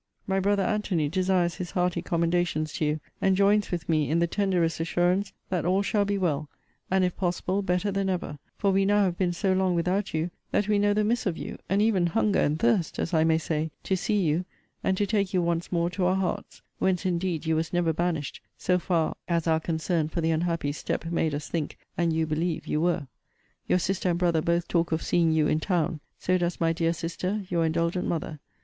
My brother Antony desires his hearty commendations to you, and joins with me in the tenderest assurance, that all shall be well, and, if possible, better than ever; for we now have been so long without you, that we know the miss of you, and even hunger and thirst, as I may say, to see you, and to take you once more to our hearts; whence indeed you was never banished so far as our concern for the unhappy step made us think and you believe you were. Your sister and brother both talk of seeing you in town; so does my dear sister, your indulgent mother.